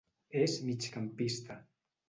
És migcampista.